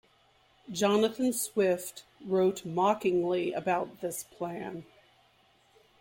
Jonathan Swift wrote mockingly about this plan.